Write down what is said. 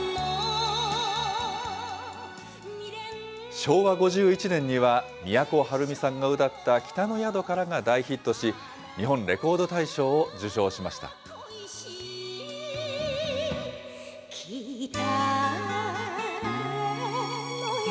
昭和５１年には、都はるみさんが歌った北の宿からが大ヒットし、日本レコード大賞を受賞しました。